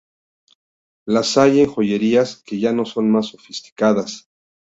Las hay en joyerías, que ya son más sofisticadas.